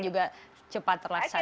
juga cepat terlaksana